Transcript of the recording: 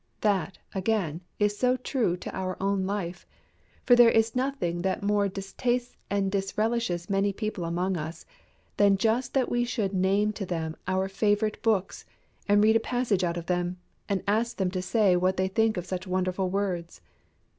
That, again, is so true to our own life. For there is nothing that more distastes and disrelishes many people among us than just that we should name to them our favourite books, and read a passage out of them, and ask them to say what they think of such wonderful words.